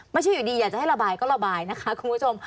ไม่ใช่อยู่ดีอยากจะให้ระบายก็ระบายนะคะคุณผู้ชม